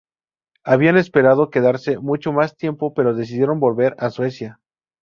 Habían esperado quedarse mucho más tiempo, pero decidieron volver a Suecia.